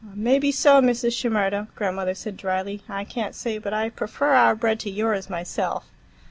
"Maybe so, Mrs. Shimerda," grandmother said drily. "I can't say but I prefer our bread to yours, myself."